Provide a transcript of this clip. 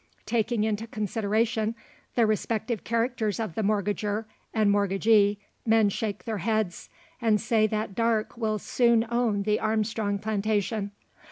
Taking into consideration the respective characters of the mortgagor and mortgagee, men shake their heads, and say that Darke will soon own the Armstrong plantation.